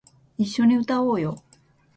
一緒に歌おうよ